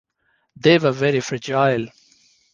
They were very fragile.